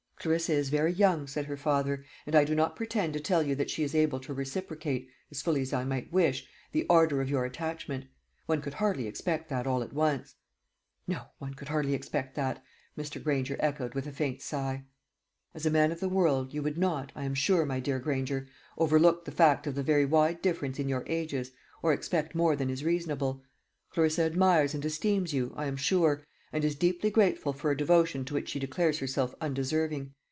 "Clarissa is very young," said her father; "and I do not pretend to tell you that she is able to reciprocate, as fully as I might wish, the ardour of your attachment. One could hardly expect that all at once." "No, one could hardly expect that," Mr. Granger echoed with a faint sigh. "As a man of the world, you would not, I am sure, my dear Granger, overlook the fact of the very wide difference in your ages, or expect more than is reasonable. Clarissa admires and esteems you, I am sure, and is deeply grateful for a devotion to which she declares herself undeserving.